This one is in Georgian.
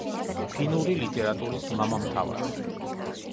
ფინური ლიტერატურის მამამთავარი.